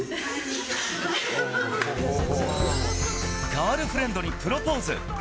ガールフレンドにプロポーズ。